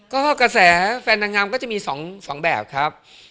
ก็กระแสแฟนนางงามก็จะมี๒แบบครับ